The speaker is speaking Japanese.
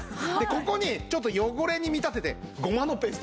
ここにちょっと汚れに見立ててゴマのペースト。